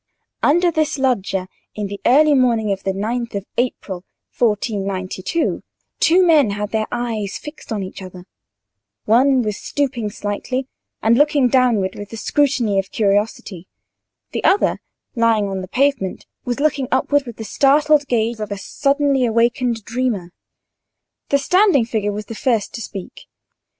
Under this loggia, in the early morning of the 9th of April 1492, two men had their eyes fixed on each other: one was stooping slightly, and looking downward with the scrutiny of curiosity; the other, lying on the pavement, was looking upward with the startled gaze of a suddenly awakened dreamer. The standing figure was the first to speak.